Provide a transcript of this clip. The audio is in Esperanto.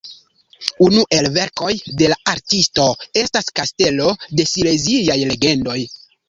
Unu el verkoj de la artisto estas Kastelo de Sileziaj Legendoj.